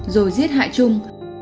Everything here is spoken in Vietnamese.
rồi giết hại trung